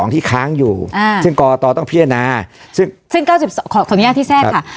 ที่ค้างอยู่อ่าซึ่งกรกฎต้องพิจารณาซึ่งซึ่งเครื่องของย่างที่แสดค่ะ